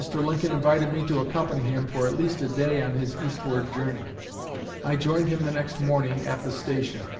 Lincoln invited me to accompany him for at least a day on his eastward journey. I joined him the next morning at the station.